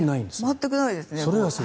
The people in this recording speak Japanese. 全くないですね。